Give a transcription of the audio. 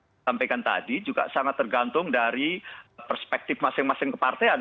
saya sampaikan tadi juga sangat tergantung dari perspektif masing masing kepartian